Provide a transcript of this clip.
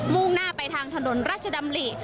่งหน้าไปทางถนนราชดำริ